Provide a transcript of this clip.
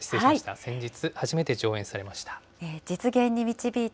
先日、初めて上演されました。